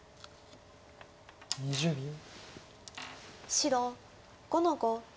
白５の五。